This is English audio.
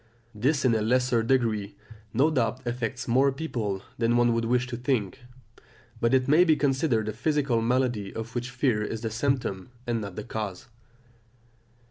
This in a lesser degree no doubt affects more people than one would wish to think; but it may be considered a physical malady of which fear is the symptom and not the cause.